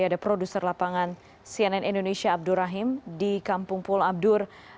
ada produser lapangan cnn indonesia abdur rahim di kampung pulau abdur